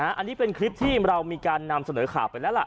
อันนี้เป็นคลิปที่เรามีการนำเสนอข่าวไปแล้วล่ะ